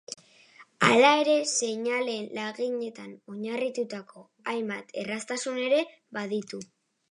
Hala ere, seinaleen laginetan oinarritutako hainbat erraztasun ere baditu.